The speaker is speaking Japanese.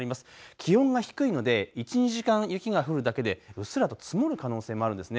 気温が低いので１、２時間、雪が降るだけでうっすらと積もる可能性もあるんですね。